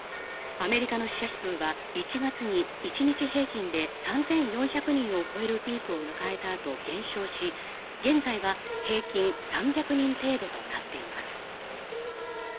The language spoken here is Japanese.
アメリカの死者数は１月に１日平均で３４００人を超えるピークを迎えたあと、減少し現在は平均３００人程度となっています。